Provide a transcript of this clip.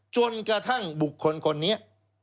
จนกระทั่งบุคคลคนนี้